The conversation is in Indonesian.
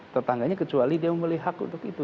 tetangganya kecuali dia membeli hak untuk itu